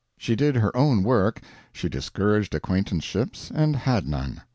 She did her own work, she discouraged acquaintanceships, and had none.